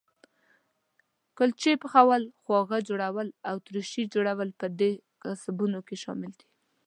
کلچې پخول، خواږه جوړول او ترشي جوړول په دې کسبونو کې شامل دي.